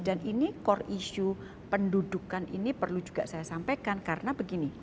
dan ini core issue pendudukan ini perlu juga saya sampaikan karena begini